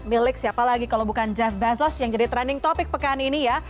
milik siapa lagi kalau bukan jeff bezos yang jadi trending topic pekan ini ya